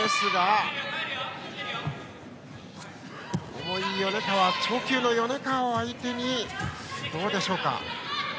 重い、超級の米川を相手にどうでしょうか。